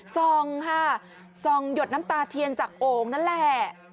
ซองค่ะซองหยดน้ำตาเทียนจากโอ่งนั่นแหละ